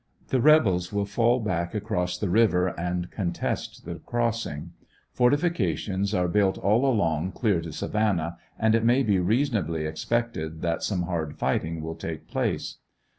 The rebels will fall back across the river and contest the crossing. Fortifications are built all along clear to Savannah, and it may be reasonably expected that some hard fighting will take place.